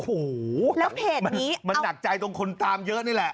โอ้โหมันหนักใจตรงคนตามเยอะนี่แหละ